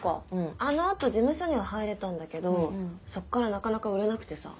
あの後事務所には入れたんだけどそっからなかなか売れなくてさ。